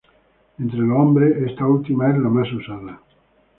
Entre los hombres, esta última es la más usada.